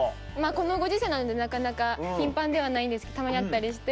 このご時世なのでなかなか頻繁ではないんですけどたまに会ったりして。